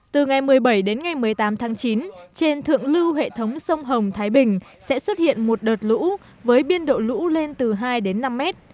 từ ngày một mươi bảy đến ngày một mươi tám tháng chín trên thượng lưu hệ thống sông hồng thái bình sẽ xuất hiện một đợt lũ với biên độ lũ lên từ hai đến năm mét